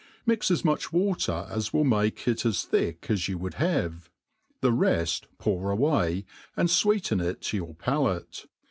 Mix as much water as will make it as thick as yoti would have ; the reft pour away, and fweeten it to your palace.